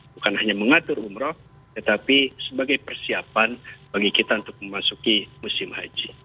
bukan hanya mengatur umroh tetapi sebagai persiapan bagi kita untuk memasuki musim haji